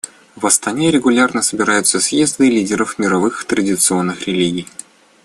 В Астане регулярно собираются съезды лидеров мировых и традиционных религий.